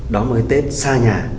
đón mới tết xa nhà